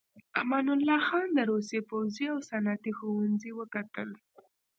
امان الله خان د روسيې پوځي او صنعتي ښوونځي وکتل.